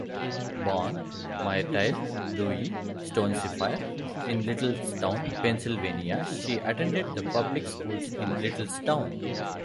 Born Myrtle Louise Stonesifer in Littlestown, Pennsylvania, she attended the public schools in Littlestown.